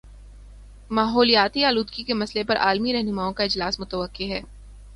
ماحولیاتی آلودگی کے مسئلے پر عالمی رہنماؤں کا اجلاس متوقع ہے